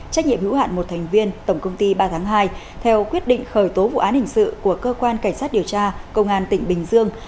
trách nhiệm hữu hạn một thành viên tổng công ty ba tháng hai theo quyết định khởi tố vụ án hình sự của cơ quan cảnh sát điều tra công an tỉnh bình dương